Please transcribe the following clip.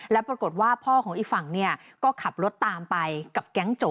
แล้วปรากฏว่าพ่อของอีกฝั่งเนี่ยก็ขับรถตามไปกับแก๊งโจท